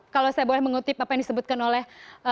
kalau saya boleh mengutip apa yang disebutkan oleh